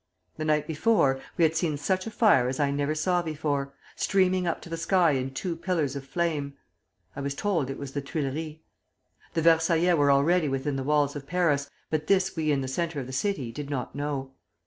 The night before, we had seen such a fire as I never saw before, streaming up to the sky in two pillars of flame. I was told it was the Tuileries. The Versaillais were already within the walls of Paris, but this we in the centre of the city did not know.